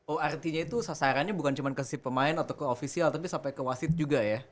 oh artinya itu sasarannya bukan cuma ke si pemain atau ke ofisial tapi sampai ke wasit juga ya